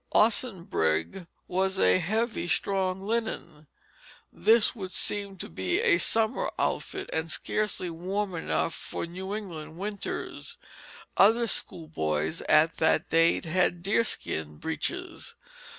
Osenbrig was a heavy, strong linen. This would seem to be a summer outfit, and scarcely warm enough for New England winters. Other schoolboys at that date had deerskin breeches.